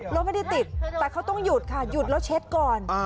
รถไม่ได้ติดแต่เขาต้องหยุดค่ะหยุดแล้วเช็ดก่อน